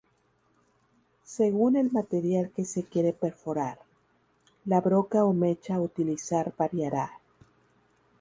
Según el material que se quiere perforar, la broca o mecha a utilizar variará.